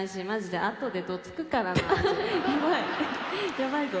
やばいぞ。